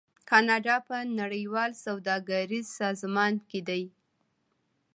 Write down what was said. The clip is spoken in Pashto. کاناډا په نړیوال سوداګریز سازمان کې دی.